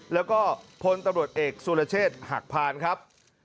แล้วก็พลตำรวจเอกสุรเชษฐ์หักพานครับ